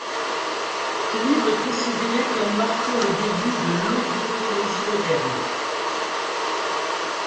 Ce livre est considéré comme marquant le début de l'odontologie moderne.